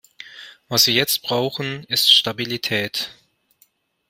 Was wir jetzt brauchen ist Stabilität.